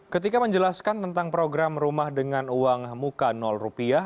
ketika menjelaskan tentang program rumah dengan uang muka rupiah